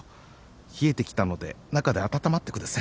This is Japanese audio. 冷えてきたので中で温まってください。